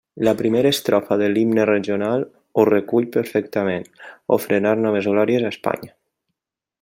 La primera estrofa de l'himne regional ho recull perfectament: «ofrenar noves glòries a Espanya».